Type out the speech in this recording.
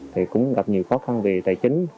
thì cũng gặp nhiều khó khăn về tài chính